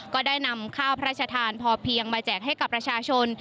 ก็ได้นำข้าวพระราชทานพอเพียงมาแจกให้กับประชาชน